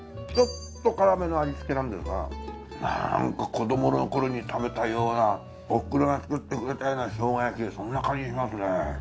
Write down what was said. ちょっと辛めの味付けなんですがなんか子どもの頃に食べたようなおふくろが作ってくれたような生姜焼きそんな感じしますね。